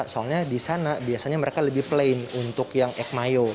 soalnya di sana biasanya mereka lebih plain untuk yang ekmayo